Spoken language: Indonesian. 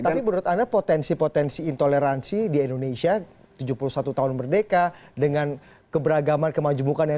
tapi menurut anda potensi potensi intoleransi di indonesia tujuh puluh satu tahun merdeka dengan keberagaman kemajumukan